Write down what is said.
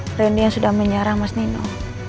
trendy yang sudah menyerang mas nino